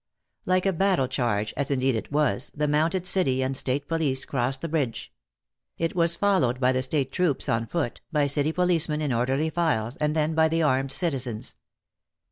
Like a battle charge, as indeed it was, the mounted city and state police crossed the bridge. It was followed by the state troops on foot, by city policemen in orderly files, and then by the armed citizens.